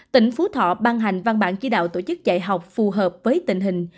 tỉnh phú thọ ban hành văn bản chỉ đạo tổ chức dạy học phù hợp với tình hình